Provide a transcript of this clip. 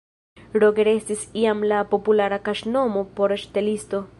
Roger estis iam la populara kaŝnomo por ŝtelisto.